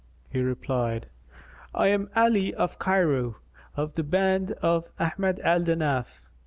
He replied, "I am Ali of Cairo, of the band of Ahmad al Danaf.